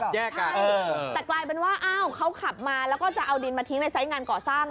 แต่กลายเป็นว่าเขาขับมาแล้วก็จะเอาดินมาทิ้งในไซซ์งานเกาะสร้าง